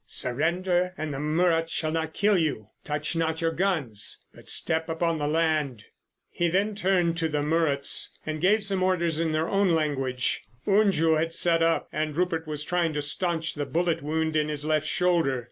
"Surrender, and the Muruts shall not kill you. Touch not your guns but step up upon the land." He then turned to the Muruts and gave some orders in their own language. Unju had sat up, and Rupert was trying to staunch the bullet wound in his left shoulder.